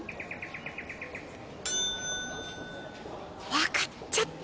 分かっちゃった。